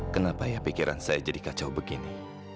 kenapa ya pikiran saya jadi kacau begini